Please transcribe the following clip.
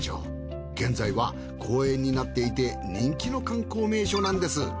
現在は公園になっていて人気の観光名所なんです。